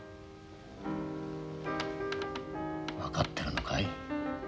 分かってるのかい？